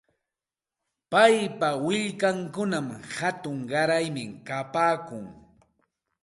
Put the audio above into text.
Paypa willkankunam hatun qaraymi kapaakun.